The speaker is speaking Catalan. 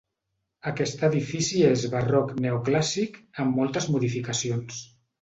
Aquest edifici és barroc- neoclàssic, amb moltes modificacions.